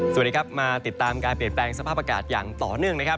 สวัสดีครับมาติดตามการเปลี่ยนแปลงสภาพอากาศอย่างต่อเนื่องนะครับ